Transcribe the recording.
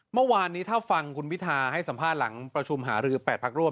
เมื่อวานนี้ถ้าฟังคุณพิทาให้สัมภาษณ์หลังประชุมหารือ๘พักร่วม